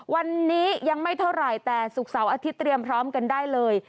วันนี้ยังไม่เท่าไหร่แต่ศุกร์เสาร์อาทิตยเตรียมพร้อมกันได้เลย